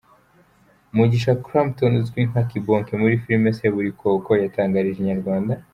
Mugisha Clapton uzwi nka Kibonke muri Filime Seburikoko, yatangarije Inyarwanda.